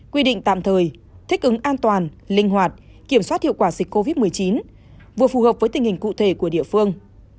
quy định tạm thời thích ứng an toàn linh hoạt kiểm soát hiệu quả dịch covid một mươi chín vừa phù hợp với tình hình cụ thể của địa phương